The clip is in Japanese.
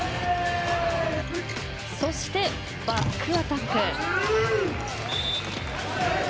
そして、バックアタック。